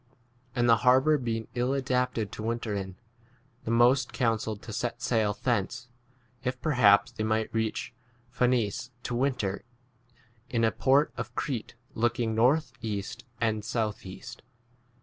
And the harbour being ill adapted to winter in, the most counselled to set sail thence, if perhaps they might reach Phcenice to winter in, a port of Crete look ing north east and south east.